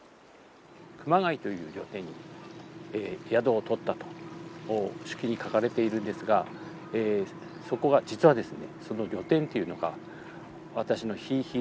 熊谷という旅店に宿をとったと手記に書かれているんですがそこが実はですね